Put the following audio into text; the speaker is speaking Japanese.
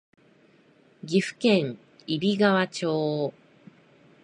岐阜県揖斐川町